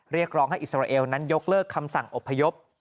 เรียกร้องให้อิสราเอลนั้นยกเลิกคำสั่งอบพยพ